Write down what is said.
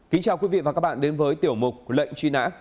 kính chào quý vị và các bạn đến với tiểu mục lệnh truy nã